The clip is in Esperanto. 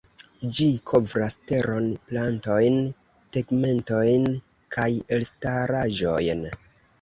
Ĝi kovras teron, plantojn, tegmentojn kaj elstaraĵojn.